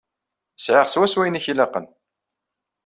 Sɛiɣ swaswa ayen i k-ilaqen.